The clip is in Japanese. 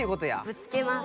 ぶつけます。